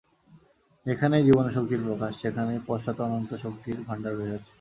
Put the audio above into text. যেখানেই জীবনীশক্তির প্রকাশ, সেখানেই পশ্চাতে অনন্ত শক্তির ভাণ্ডার রহিয়াছে।